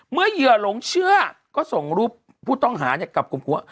เหยื่อหลงเชื่อก็ส่งรูปผู้ต้องหากลับกลุ่มครัว